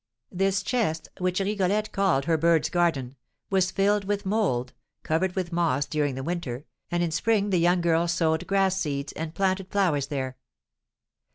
This chest, which Rigolette called her bird's garden, was filled with mould, covered with moss during the winter, and in spring the young girl sowed grass seeds, and planted flowers there.